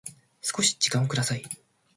少し時間をください